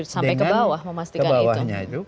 sampai ke bawah